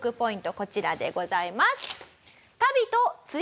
こちらでございます。